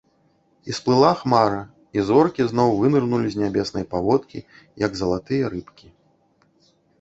І сплыла хмара, і зоркі зноў вынырнулі з нябеснай паводкі, як залатыя рыбкі.